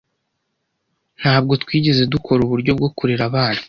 Ntabwo twigeze dukora uburyo bwo kurera abana.